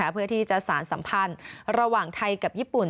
เพื่อที่จะสารสัมพันธ์ระหว่างไทยกับญี่ปุ่น